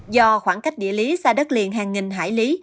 do khoảng cách địa lý xa đất liền hàng nghìn hải lý